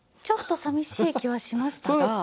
ちょっと寂しい気はしましたが。